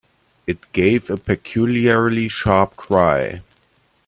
It gave a peculiarly sharp cry.